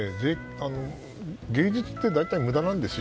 芸術って大体無駄なんですよ。